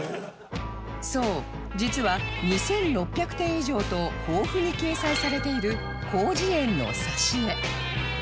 そう実は２６００点以上と豊富に掲載されている『広辞苑』の挿絵